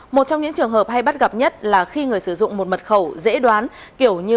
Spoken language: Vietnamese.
một trong những trường hợp hay bắt gặp nhất là khi người sử dụng một mật khẩu dễ đoán